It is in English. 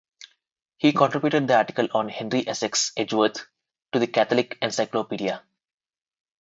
He contributed the article on Henry Essex Edgeworth to the "Catholic Encyclopedia".